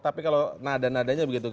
tapi kalau nada nadanya begitu